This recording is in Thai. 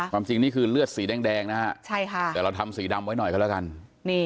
ความจริงนี่คือเลือดสีแดงนะฮะแต่เราทำสีดำไว้หน่อยก็แล้วกัน